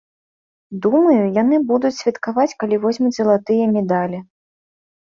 Думаю, яны будуць святкаваць, калі возьмуць залатыя медалі.